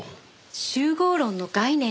集合論の概念です。